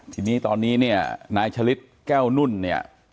ทีนี้ตอนนี้เนี่ยนายฉลิดแก้วนุ่นเนี่ย